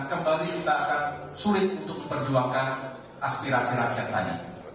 kembali kita akan sulit untuk memperjuangkan aspirasi rakyat tadi